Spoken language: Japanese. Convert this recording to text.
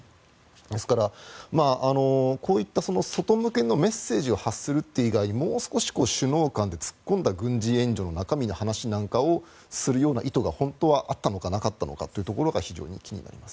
ですから、こういった外向けのメッセージを発するという以外もう少し首脳間で突っ込んだ軍事援助の中身なんかを話すような意図が本当はあったのかなかったのかというところが非常に気になります。